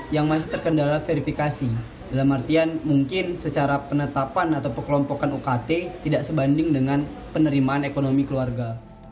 yang masih terkendala verifikasi dalam artian mungkin secara penetapan atau pekelompokan ukt tidak sebanding dengan penerimaan ekonomi keluarga